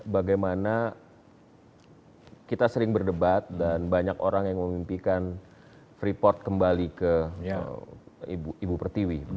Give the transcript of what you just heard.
bagaimana kita sering berdebat dan banyak orang yang memimpikan freeport kembali ke ibu pertiwi